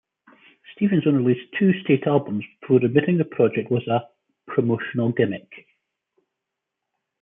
Stevens only released two state albums before admitting the project was a "promotional gimmick".